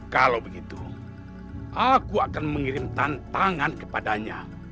kalau begitu aku akan mengirim tantangan kepadanya